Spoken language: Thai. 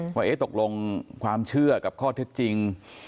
ว่าตกลงความเชื่อกับข้อเท็จจริง